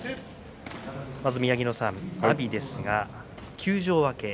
宮城野さん、阿炎ですけども休場明け